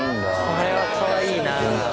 これはかわいいな。